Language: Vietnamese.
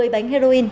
một mươi bánh heroin